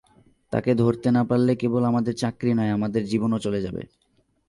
তাকে না ধরতে পারলে কেবল আমাদের চাকরি নয়, আমাদের জীবনও চলে যাবে।